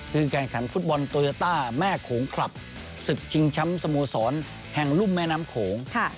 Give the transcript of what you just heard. คือการขันฟุตบอลโตโยต้าแม่โขงคลับศึกชิงช้ำสโมสรแห่งรุ่มแม่น้ำโขง